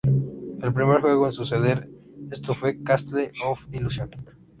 El primer juego en suceder esto fue Castle of Illusion.